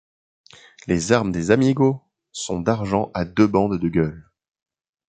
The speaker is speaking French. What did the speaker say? Les armes des Amigo sont d'argent à deux bandes de gueules.